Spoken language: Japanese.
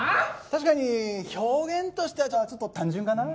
確かに表現としてはちょっと単純かな？